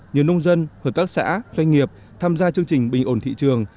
nhiều nông dân hợp tác xã doanh nghiệp tham gia chương trình bình ổn thị trường